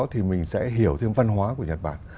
thì mình sẽ hiểu thêm văn hóa của nhật bản